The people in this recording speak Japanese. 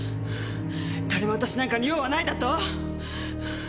誰も私なんかに用はないだと？